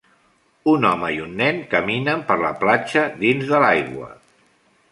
Un home i un nen caminen per la platja dins de l'aigua.